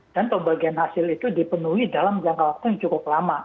dan pembagian hasil itu dipenuhi dalam jangka waktu yang cukup lama